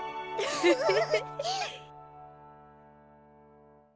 フフフフ。